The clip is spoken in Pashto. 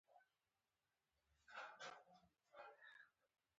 په پښتنو کې د احساس او شعور پیدا کول د لومړیتوبونو څخه دی